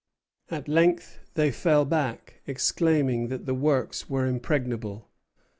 At length they fell back, exclaiming that the works were impregnable.